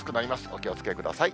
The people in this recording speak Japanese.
お気をつけください。